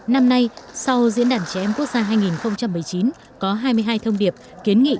năm nay sau diễn đàn trẻ em quốc gia hai nghìn một mươi chín có hai mươi hai thông điệp kiến nghị